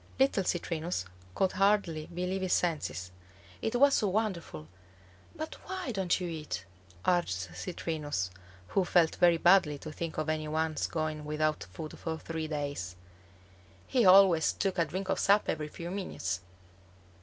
Little Citrinus could hardly believe his senses. It was so wonderful. "But why don't you eat," urged Citrinus, who felt very badly to think of any one's going without food for three days. He always took a drink of sap every few minutes.